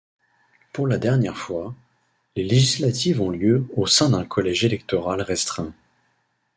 Pour la dernière fois, les législatives ont lieu au sein d'un collège électoral restreint.